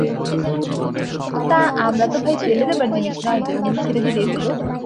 তা, আমরা তো ভাই ফেলে দেবার জিনিস নয় যে অমনি ছেড়ে দিলেই হল।